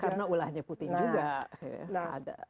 karena ulahnya putin juga